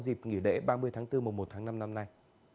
dịp nghỉ lễ ba mươi tháng bốn mùa một tháng năm năm nay